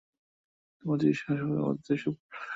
তোমার চিকিৎসা পদ্ধতি সুপ্পার!